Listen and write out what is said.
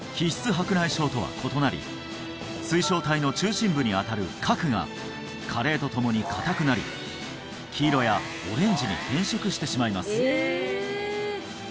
白内障とは異なり水晶体の中心部にあたる核が加齢とともに硬くなり黄色やオレンジに変色してしまいます